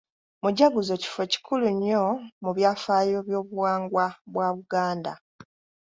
Mujaguzo kifo kikulu nnyo mu byafaayo by’obuwangwa bwa Buganda.